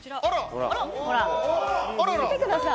見てください。